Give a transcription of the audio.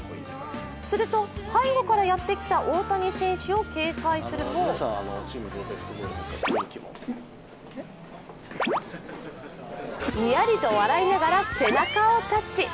すると背後からやって来た大谷選手を警戒するもにやりと笑いながら背中をタッチ。